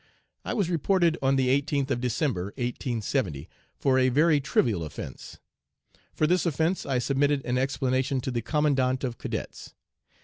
I was reported on the 18th of December, 1870, for a very trivial offence. For this offence I submitted an explanation to the Commandant of Cadets.